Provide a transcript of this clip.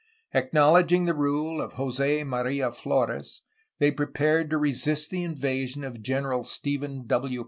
Ac knowledging the rule of Jos6 Maria Flores they prepared to resist the invasion of General Stephen W.